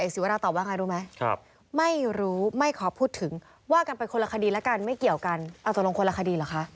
สวัสดีครับ